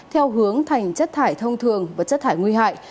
theo hướng thành chất thải thông thường và chất thải nguy hại